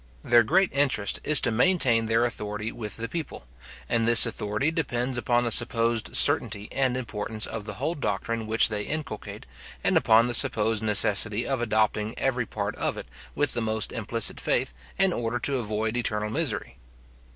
Their great interest is to maintain their authority with the people, and this authority depends upon the supposed certainty and importance of the whole doctrine which they inculcate, and upon the supposed necessity of adopting every part of it with the most implicit faith, in order to avoid eternal misery.